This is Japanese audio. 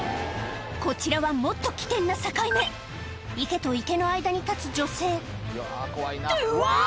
こちらはもっと危険な境目池と池の間に立つ女性ってうわ！